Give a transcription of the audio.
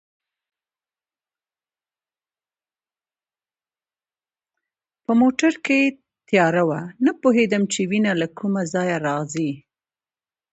په موټر کې تیاره وه، نه پوهېدم چي وینه له کومه ځایه راځي.